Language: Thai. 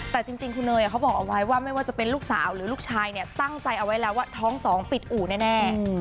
แต่จริงคุณเนยเขาบอกเอาไว้ว่าไม่ว่าจะเป็นลูกสาวหรือลูกชายเนี่ยตั้งใจเอาไว้แล้วว่าท้องสองปิดอู่แน่